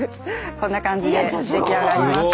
こんな感じで出来上がりました。